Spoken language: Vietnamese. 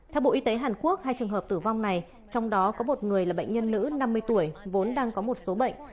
theo bộ y tế hàn quốc hai trường hợp tử vong này trong đó có một người là bệnh nhân nữ năm mươi tuổi vốn đang có một số bệnh